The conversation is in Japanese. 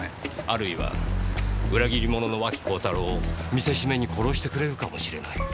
あるいは裏切り者の脇幸太郎を見せしめに殺してくれるかもしれない。